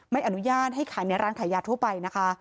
ไม่อนุญาตให้ขายในร้านขายยาทั่วไปนะคะ